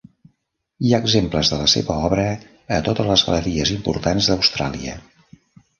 Hi ha exemples de la seva obra a totes les galeries importants d'Austràlia